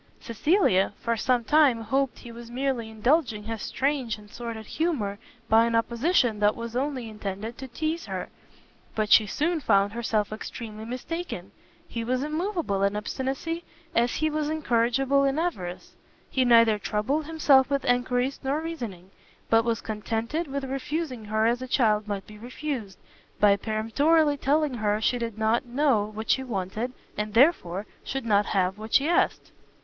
Cecilia for some time hoped he was merely indulging his strange and sordid humour by an opposition that was only intended to teize her; but she soon found herself extremely mistaken: he was immoveable in obstinacy, as he was incorrigible in avarice; he neither troubled himself with enquiries nor reasoning, but was contented with refusing her as a child might be refused, by peremptorily telling her she did not know what she wanted, and therefore should not have what she asked.